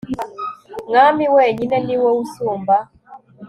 mwami wenyine ni wowe usumba